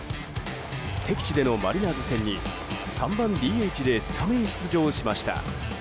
敵地でのマリナーズ戦に３番ＤＨでスタメン出場しました。